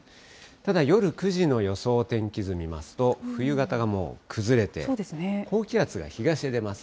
ただ夜９時の予想天気図見ますと、冬型がもう崩れて、高気圧が東へ出ます。